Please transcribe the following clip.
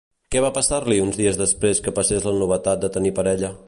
Què va passar-li uns dies després que passés la novetat de tenir parella?